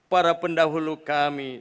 para pendahulu kami